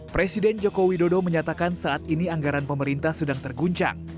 presiden joko widodo menyatakan saat ini anggaran pemerintah sedang terguncang